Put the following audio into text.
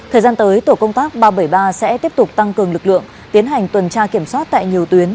thời gian tới tổ công tác ba trăm bảy mươi ba sẽ tiếp tục tăng cường lực lượng tiến hành tuần tra kiểm soát tại nhiều tuyến